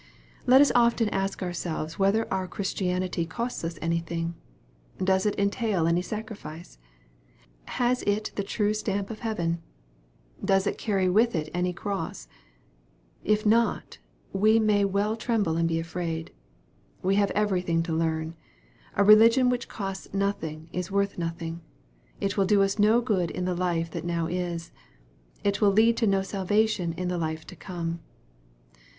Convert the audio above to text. Let us often ask ourselves whether our Christianity costs us anything ? Does it entail any sacrifice ? Has it the true stamp of heaven ? Does it carry with it any cross ? If not, we may well tremble and be afraid. We have everything to learn. A religion which costs noth ing, is worth nothing. It will do us no good in the life that now is. It will lead to no salvation in the life to come.